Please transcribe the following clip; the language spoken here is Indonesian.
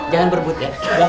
jangan rebut ya